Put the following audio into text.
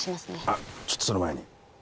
あっちょっとその前に。